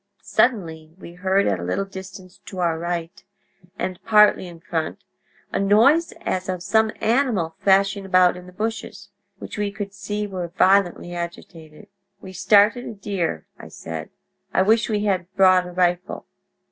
Suddenly, we heard, at a little distance to our right, and partly in front, a noise as of some animal thrashing about in the bushes, which we could see were violently agitated. "'We've started a deer,' said. 'I wish we had brought a rifle.'